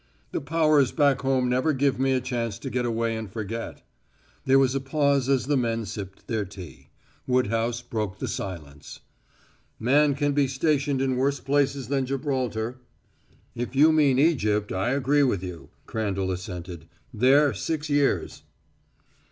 "The powers back home never give me a chance to get away and forget." There was a pause as the men sipped their tea. Woodhouse broke the silence: "Man can be stationed in worse places than Gibraltar." "If you mean Egypt, I agree with you," Crandall assented. "There six years."